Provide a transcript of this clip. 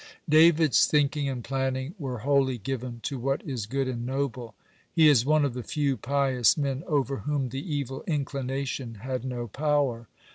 (89) David's thinking and planning were wholly given to what is good and noble. He is one of the few pious men over whom the evil inclination had no power.